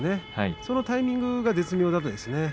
そのタイミングが絶妙だったんですね。